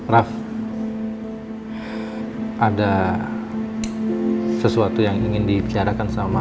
rafa ada sesuatu yang ingin ditarakan sama